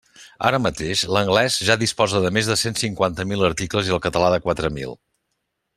Ara mateix, l'anglès ja disposa de més de cent cinquanta mil articles i el català de quatre mil.